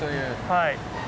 はい。